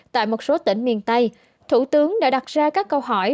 tại một số tỉnh miền tây thủ tướng đã đặt ra các câu hỏi